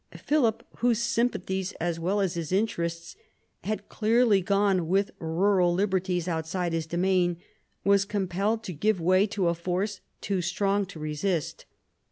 Philip, whose sympathies, as well as his interests, had clearly gone with rural liberties outside his domain, was compelled to give way to a force too strong to resist.